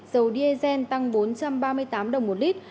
dầu diesel tăng bốn trăm ba mươi tám đồng một lít